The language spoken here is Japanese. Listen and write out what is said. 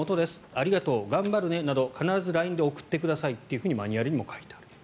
ありがとう、頑張るねなど必ずＬＩＮＥで送ってくださいとマニュアルにも書いてある。